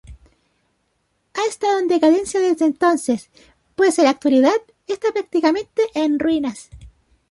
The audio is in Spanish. Ha estado en decadencia desde entonces, pues en la actualidad está prácticamente en ruinas.